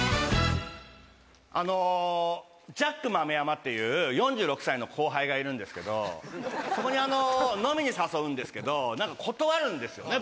あのジャック豆山っていう４６歳の後輩がいるんですけどそこに飲みに誘うんですけど断るんですよね